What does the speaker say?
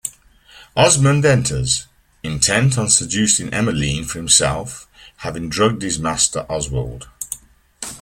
Osmond enters, intent on seducing Emmeline for himself, having drugged his master Oswald.